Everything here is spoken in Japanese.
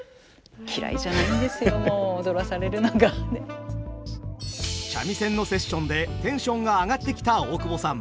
あっ三味線のセッションでテンションが上がってきた大久保さん。